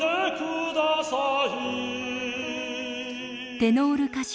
テノール歌手